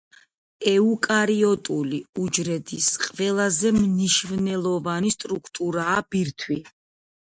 ეუკარიოტული უჯრედის ყველაზე მნიშვნელოვანი სტრუქტურაა ბირთვი.